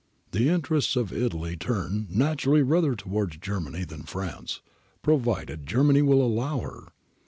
' The interests of Italy turn, naturally, rather towards Germany than France, provided Germany will allow her.